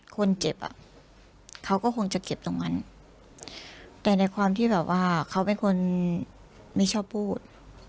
คนเจ็บอ่ะเขาก็คงจะเก็บตรงนั้นแต่ในความที่แบบว่าเขาเป็นคนไม่ชอบพูด